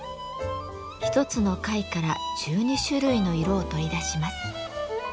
１つの貝から１２種類の色を取り出します。